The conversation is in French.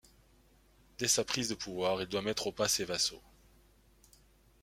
Dès sa prise de pouvoir, il doit mettre au pas ses vassaux.